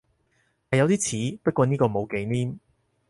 係有啲似，不過呢個冇忌廉